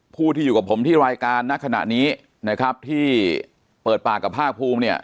ผู้ที่อยู่กับผมที่รายการณขณะนี้นะครับที่เปิดปากกับภาคภูมิเนี่ย